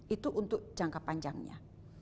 itu untuk jangka panjangnya